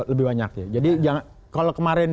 lebih banyak ya jadi kalau kemarin